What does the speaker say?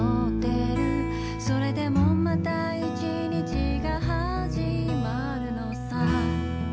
「それでもまた一日が始まるのさ」